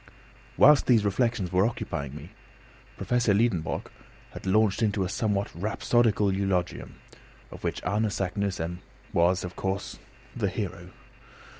Whilst these reflections were occupying me, Professor Liedenbrock had launched into a somewhat rhapsodical eulogium, of which Arne Saknussemm was, of course, the hero.